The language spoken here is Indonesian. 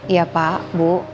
iya pak bu